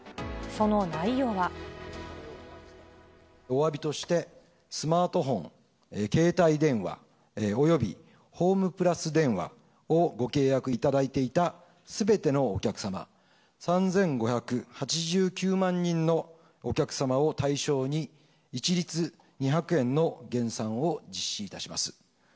その内容は。おわびとして、スマートフォン、携帯電話およびホームプラス電話をご契約いただいていたすべてのお客様３５８９万人のお客様を対象に、一律２００円の減算を実施いたします。